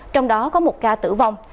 trong đó có một ca tử vong